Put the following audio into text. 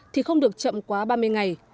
thì không được chậm quá ba mươi ngày